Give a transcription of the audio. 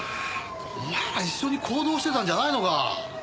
お前ら一緒に行動してたんじゃないのか？